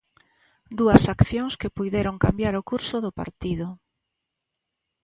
Dúas accións que puideron cambiar o curso do partido.